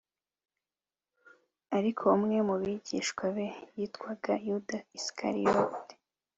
Ariko umwe mu bigishwa be witwaga Yuda Isikariyota